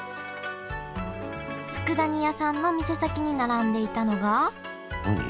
つくだ煮屋さんの店先に並んでいたのが何？